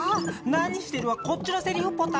何してるはこっちのセリフポタ。